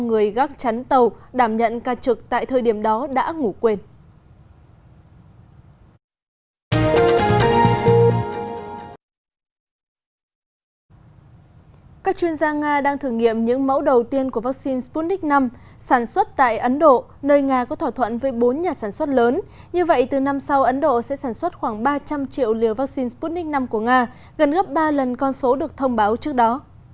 như vậy từ năm sau ấn độ sẽ sản xuất khoảng ba trăm linh triệu liều vaccine sputnik v của nga gần gấp ba lần con số được thông báo trước đó